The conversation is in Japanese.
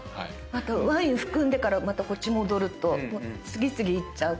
ワイン含んでからまたこっち戻ると次々いっちゃう感じ。